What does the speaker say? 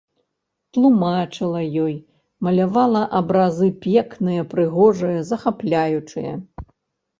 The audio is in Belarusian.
Тлумачыла ёй, малявала абразы пекныя, прыгожыя, захапляючыя.